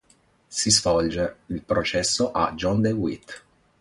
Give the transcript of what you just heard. Si svolge il processo a John De Witt.